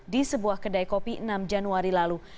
di sebuah kedai kopi enam januari lalu